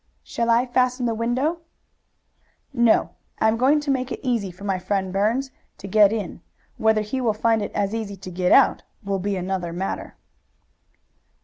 "Shall I fasten the window?" "No. I am going to make it easy for my friend, Burns, to get in. Whether he will find it as easy to get out will be another matter."